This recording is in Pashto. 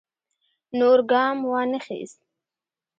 نور ګام وانه خیست.